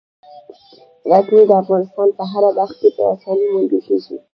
غزني د افغانستان په هره برخه کې په اسانۍ موندل کېږي.